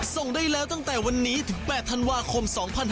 ส่งได้แล้วตั้งแต่วันนี้ถึง๘ธันวาคม๒๕๕๙